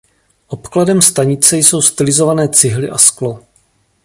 Obkladem stanice jsou stylizované cihly a sklo.